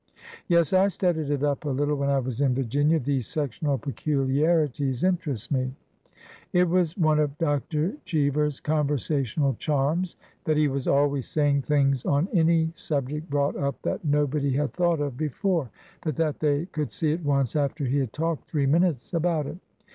" Yes. I studied it up a little when I was in Virginia. These sectional peculiarities interest me." It was one of Dr. Cheever's conversational charms that he was always saying things on any subject brought up that nobody had thought of before, but that they could see at once after he had talked three minutes about it.